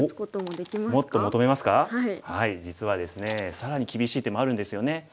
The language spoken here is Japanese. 更に厳しい手もあるんですよね。